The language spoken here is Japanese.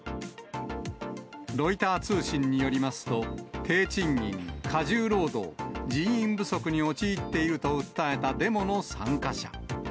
ロイター通信によりますと、低賃金、過重労働、人員不足に陥っていると訴えたデモの参加者。